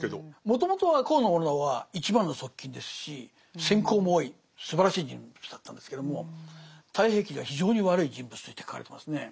もともとは高師直は一番の側近ですし戦功も多いすばらしい人物だったんですけども「太平記」では非常に悪い人物として書かれてますね。